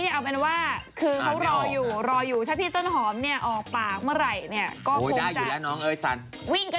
จบแล้วเหมือนกับาคลาโรยายการของเรา